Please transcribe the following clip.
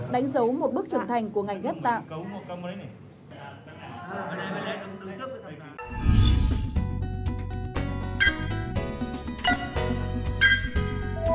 đánh dấu một bước chân thành của ngành ghép tạng